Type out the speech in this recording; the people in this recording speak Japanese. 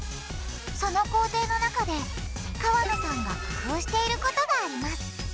その工程の中で河野さんが工夫していることがあります。